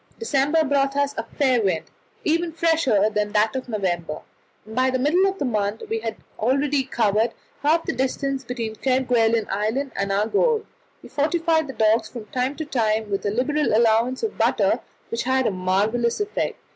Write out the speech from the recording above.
December brought us a fair wind, even fresher than that of November, and by the middle of the month we had already covered half the distance between Kerguelen Island and our goal. We fortified the dogs from time to time with a liberal allowance of butter, which had a marvellous effect.